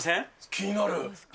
気になる。